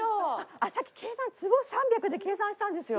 あっさっき計算坪３００で計算したんですよ。